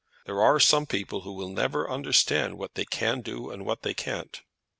There are some people who never will understand what they can do, and what they can't."